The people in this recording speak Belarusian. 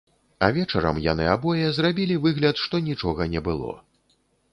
А вечарам яны абое зрабілі выгляд, што нічога не было.